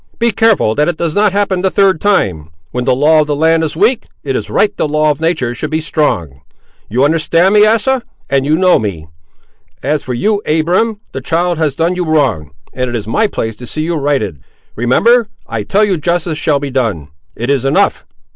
Be careful that it does not happen the third time. When the law of the land is weak, it is right the law of nature should be strong. You understand me, Asa; and you know me. As for you, Abiram, the child has done you wrong, and it is my place to see you righted. Remember; I tell you justice shall be done; it is enough.